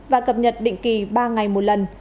và cập nhật định kỳ ba ngày một lần